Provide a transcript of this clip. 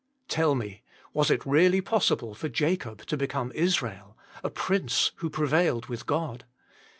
Tell me, was it really possible for Jacob to become Israel a prince who prevailed with God